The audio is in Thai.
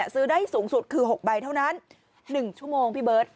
ซื้อได้สูงสุดคือ๖ใบเท่านั้น๑ชั่วโมงพี่เบิร์ต